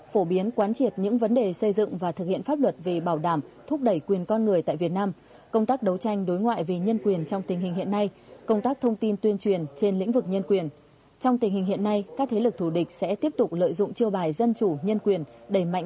phổ biến quán triệt những vấn đề xây dựng và thực hiện pháp luật về bảo đảm thúc đẩy quyền con người tại việt nam công tác đấu tranh đối ngoại vì nhân quyền trong tình hình hiện nay công tác thông tin tuyên truyền trên lĩnh vực nhân quyền